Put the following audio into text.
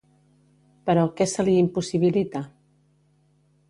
Però què se li impossibilita?